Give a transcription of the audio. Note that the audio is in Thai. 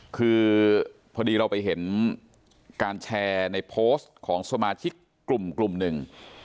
คือพอดีเราไปเห็นการแชร์ในโพสต์ของสมาชิกกลุ่มหนึ่ง